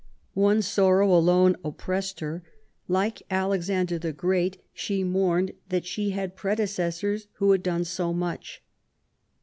One sorrow alone oppressed her; like Alexander the Great, she mourned that she had predecessors who had done so much.